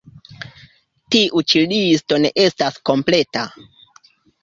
Tiu ĉi listo ne estas kompleta.